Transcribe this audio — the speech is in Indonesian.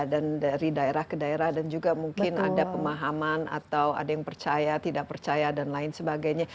dan dari daerah ke daerah dan juga mungkin ada pemahaman atau ada yang percaya tidak percaya dan lain sebagainya